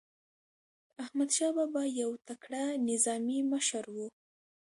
احمدشاه بابا یو تکړه نظامي مشر و.